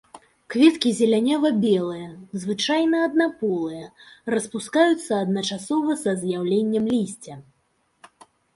Кветкі зелянява-белыя, звычайна аднаполыя, распускаюцца адначасова са з'яўленнем лісця.